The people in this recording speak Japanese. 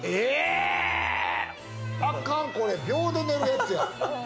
あかん、これ、秒で寝るやつや。